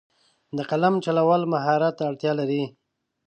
د قلم چلول مهارت ته اړتیا لري.